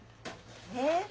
えっ？